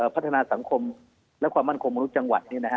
ปันธนาสังคมและความบ้านคมมนุษยาจังหวัดเนี่ยนะฮะ